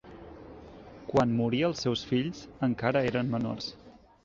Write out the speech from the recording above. Quan morí els seus fills encara eren menors.